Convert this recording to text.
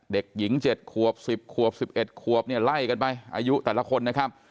เด็กหญิง๗ขวบ๑๐ขวบ๑๑ขวบเนี่ยไล่กันไปอายุแต่ละคนนะครับ